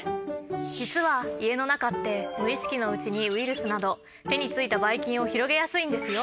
実は家の中って無意識のうちにウイルスなど手についたバイ菌を広げやすいんですよ。